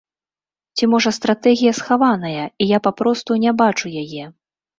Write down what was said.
Ці, можа, стратэгія схаваная, і я папросту не бачу яе.